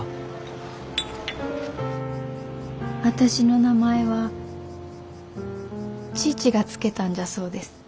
私の名前は父が付けたんじゃそうです。